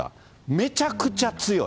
めちゃくちゃ強い。